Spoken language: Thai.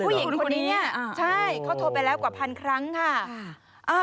ผู้หญิงคนนี้เนี่ยใช่เขาโทรไปแล้วกว่าพันครั้งค่ะ